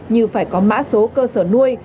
như phải có mã số cơ sở nuôi